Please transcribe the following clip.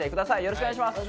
よろしくお願いします。